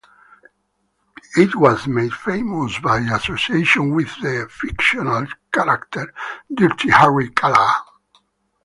It was made famous by association with the fictional character "Dirty Harry" Callahan.